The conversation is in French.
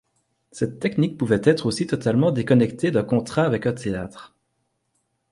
Cette technique pouvait être aussi totalement déconnectée d’un contrat avec un théâtre.